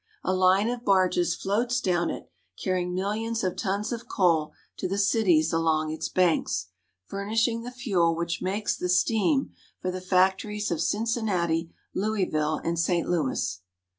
A line of barges floats down it, carrying millions of tons of coal to the cities along its banks, furnishing the fuel which makes the steam for the factories of Cincinnati, Louisville, and St. Louis.